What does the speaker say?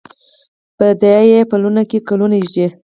بیدیا یې پلونو کې ګلونه ایږدي